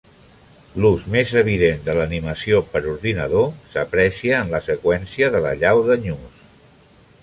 L'ús més evident de l'animació per ordinador s'aprecia en la seqüència de l'allau de nyus.